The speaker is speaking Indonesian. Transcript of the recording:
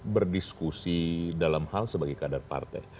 berdiskusi dalam hal sebagai kader partai